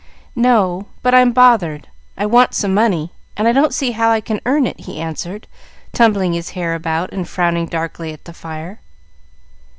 "No; but I'm bothered. I want some money, and I don't see how I can earn it," he answered, tumbling his hair about, and frowning darkly at the fire.